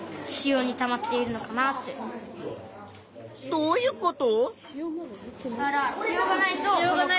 どういうこと？